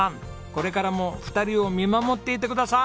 これからも２人を見守っていてください。